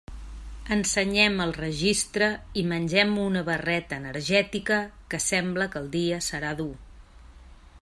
Ensenyem el registre i mengem una barreta energètica, que sembla que el dia serà dur.